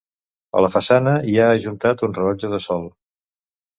A la façana hi ha ajuntat un rellotge de sol.